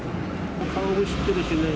顔も知ってるしね。